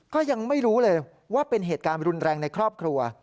ก็ยังไม่รู้เลยว่าเป็นเหตุการณ์รุนแรงในครอบครัว